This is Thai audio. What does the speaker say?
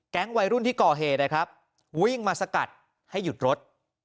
วัยรุ่นที่ก่อเหตุนะครับวิ่งมาสกัดให้หยุดรถ